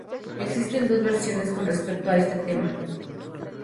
Existen dos versiones con respecto a este tema.